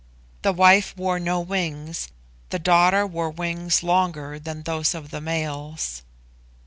The wife wore no wings, the daughter wore wings longer than those of the males.